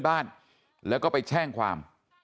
บ้านแล้วก็ไปแช่งความ